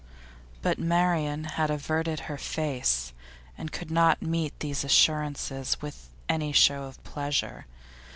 But Marian had averted her face, and could not meet these assurances with any show of pleasure.